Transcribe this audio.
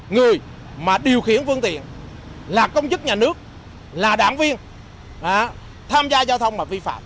người mà điều khiển phương tiện là công chức nhà nước là đảng viên tham gia giao thông mà vi phạm